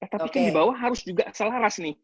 tapi kan di bawah harus juga selaras nih